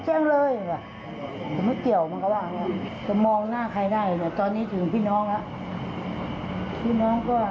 เสื่อมเสียชื่อเสียชื่อเสียงก็เลยต้องไปแจ้งความเพราะว่ารับไม่ได้ที่อีกฝ่ายนึงมากระทำลูกสาวแม่อยู่ฝ่ายเดียวค่ะ